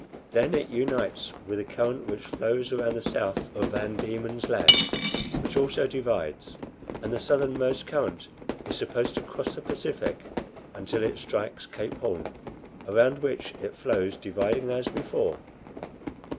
Then it unites with a current which flows round the south of Van Dieman's Land, which also divides, and the southernmost current is supposed to cross the Pacific until it strikes Cape Horn, around which it flows, dividing as before.